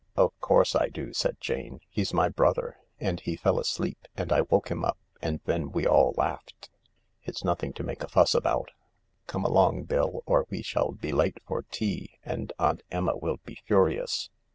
" Of course I do," said Jane. " He's my brother, and he fell asleep and I woke him up and then we all laughed. It's nothing to make a fuss about. Come along, Bill, or we shall be late for tea and Aunt Emma will be furious."